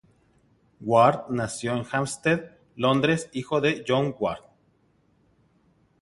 Ward nació en Hampstead, Londres, hijo de John Ward.